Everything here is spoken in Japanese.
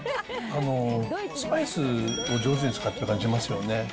スパイスを上手に使ってる感じしますよね。